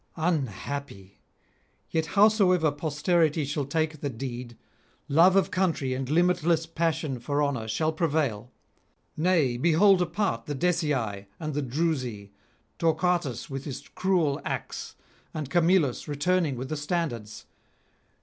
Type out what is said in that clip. Unhappy! yet howsoever posterity shall take the deed, love of country and limitless passion for honour shall prevail. Nay, behold apart the Decii and the Drusi, Torquatus with his cruel axe, and Camillus returning with the standards.